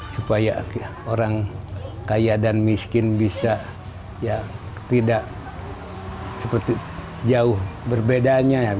supaya orang kaya dan miskin bisa tidak jauh berbeda